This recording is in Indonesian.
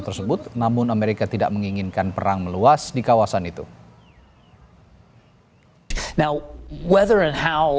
tersebut namun amerika tidak menginginkan perang meluas di kawasan itu hai now weather and how